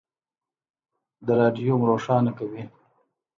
د رادیوم روښانه کوي.